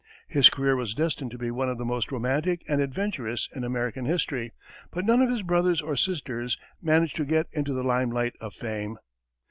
His career was destined to be one of the most romantic and adventurous in American history, but none of his brothers or sisters managed to get into the lime light of fame.